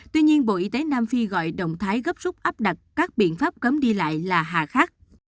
tuy nhiên bộ y tế nam phi gọi động thái gấp rút áp đặt các biện pháp cấm đi lại là hạ khắc